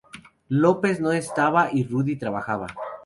López no estaba y Rudy trabajaba.